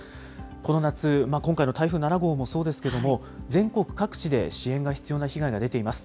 この夏、今回の台風７号もそうですけども、全国各地で支援が必要な被害が出ています。